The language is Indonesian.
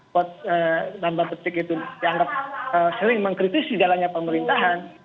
buat nambah petik itu dianggap sering mengkritisi jalannya pemerintahan